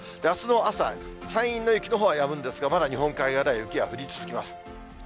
あすの朝、山陰の雪のほうはやむんですが、まだ日本海側では雪が降り続きます。